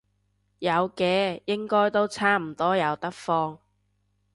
有嘅，應該都差唔多有得放